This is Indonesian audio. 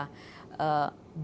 banyak sebuah partai partai ini